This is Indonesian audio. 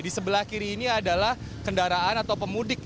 di sebelah kiri ini adalah kendaraan atau pemudik